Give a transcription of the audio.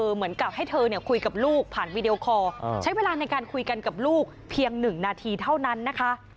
เหมือนกับให้เธอคุยกับลูกผ่านวีดีโอคอร์ใช้เวลาในการคุยกันกับลูกเพียง๑นาทีเท่านั้นนะคะ